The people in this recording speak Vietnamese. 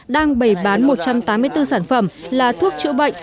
đang bày bán một trăm tám mươi bốn sản phẩm là thuốc chữa bệnh